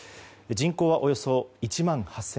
人口は、およそ１万８０００人。